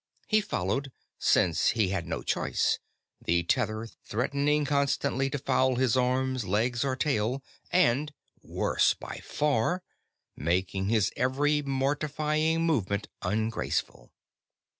He followed, since he had no choice, the tether threatening constantly to foul his arms, legs or tail, and worse, far worse making his every mortifying movement ungraceful.